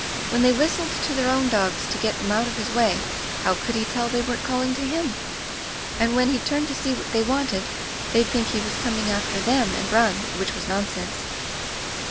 When they whistled to their own dogs to get them out of his way, how could he tell they weren't calling to him? And when he'd turn to see what they wanted, they'd think he was coming after them and run, which was nonsense.